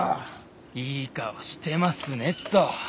いい顔してますねっと。